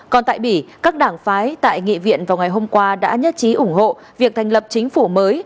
còn tại bỉ các đảng phái tại nghị viện vào ngày hôm qua đã nhất trí ủng hộ việc thành lập chính phủ mới